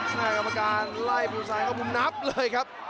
ข้างหน้ากรรมการไล่บุษันแล้วก็พุ่มนับเลยครับ